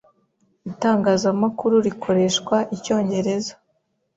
’itangazamakuru rikoresha Icyongereza